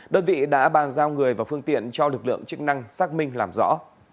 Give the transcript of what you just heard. đơn vị đã bàn giao người và phương tiện cho lực lượng chức năng xác minh làm rõ